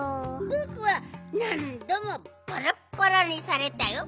ぼくはなんどもバラバラにされたよ。